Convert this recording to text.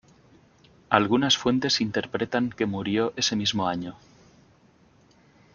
Algunas fuentes interpretan que murió ese mismo año.